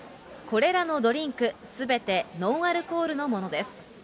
これらのドリンク、すべてノンアルコールのものです。